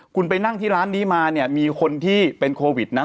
คุณไปนั่งที่ร้านนี้มาเนี่ยมีคนที่เป็นโควิดนะ